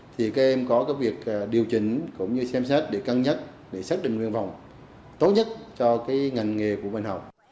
thì các em có cái việc điều chỉnh cũng như xem xét để cân nhất để xác định nguyện vọng tốt nhất cho cái ngành nghề của bệnh học